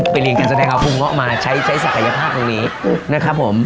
เรียนการแสดงเอาคุมเงาะมาใช้ศักยภาพตรงนี้นะครับผม